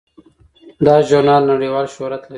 دا ژورنال نړیوال شهرت لري.